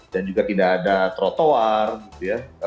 dan juga tidak ada trotoar gitu ya